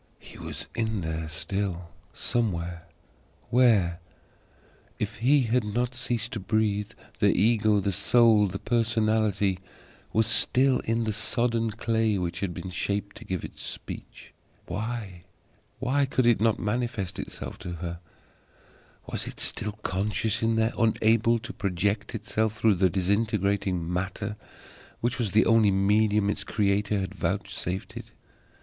HE was in there still, somewhere. Where? If he had not ceased to breathe, the Ego, the Soul, the Personality was still in the sodden clay which had shaped to give it speech. Why could it not manifest itself to her? Was it still conscious in there, unable to project itself through the disintegrating matter which was the only medium its Creator had vouchsafed it?